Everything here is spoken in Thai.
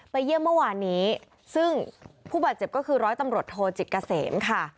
เยี่ยมเมื่อวานนี้ซึ่งผู้บาดเจ็บก็คือร้อยตำรวจโทจิตเกษมค่ะ